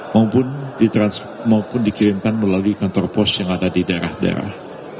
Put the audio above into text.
maupun dikirimkan melalui kantor pos yang ada di daerah daerah